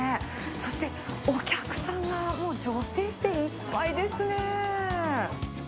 そしてお客さんがもう女性でいっぱいですね。